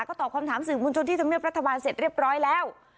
ก็ตอบคำถามสื่อมวลชนที่ธรรมเนียบรัฐบาลเสร็จเรียบร้อยแล้ว